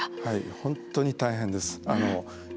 本当に大変です。